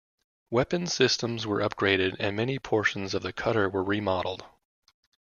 Weapons systems were upgraded and many portions of the cutter were remodeled.